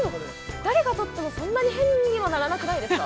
◆誰が撮っても、そんなに変にはならなくないですか。